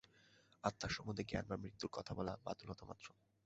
আত্মার সম্বন্ধে জন্ম বা মৃত্যুর কথা বলা বাতুলতা মাত্র।